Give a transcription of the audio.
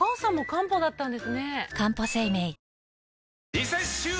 リセッシュー！